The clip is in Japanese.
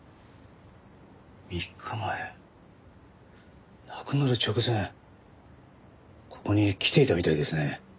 ３日前亡くなる直前ここに来ていたみたいですね